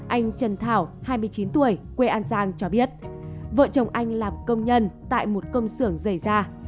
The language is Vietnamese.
anh trần thảo hai mươi chín tuổi quê an giang cho biết vợ chồng anh làm công nhân tại một công xưởng rời ra